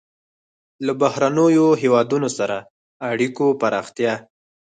له بهرنیو هېوادونو سره اړیکو پراختیا.